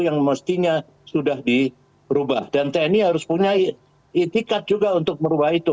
yang mestinya sudah dirubah dan tni harus punya itikat juga untuk merubah itu